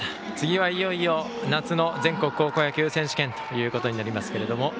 次はいよいよ夏の全国高校野球選手権となります。